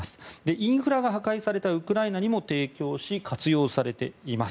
インフラが破壊されたウクライナにも提供され活用されています。